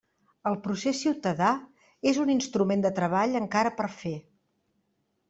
El procés ciutadà és un instrument de treball encara per fer.